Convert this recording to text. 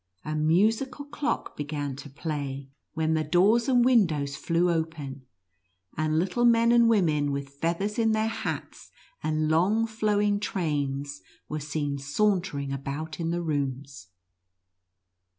A musical clock began to play, when the doors and windows 14 NUTCRACKER AND MOUSE KING. flew open, and little men and women, with. feathers in their hats, and long flowing trains, were seen sauntering about in the rooms.